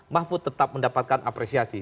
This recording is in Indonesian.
mafud tetap mendapatkan apresiasi